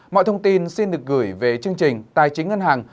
mọi thông tin xin được gửi về chương trình tài chính ngân hàng